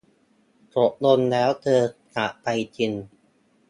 ตกลงแล้วเธอจากไปจริง